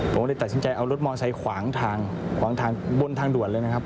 ผมเลยตัดสินใจเอารถมอไซค์ขวางทางขวางทางบนทางด่วนเลยนะครับ